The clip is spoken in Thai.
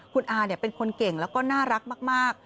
คุณอาเป็นคนเก่งแล้วก็น่ารักมาก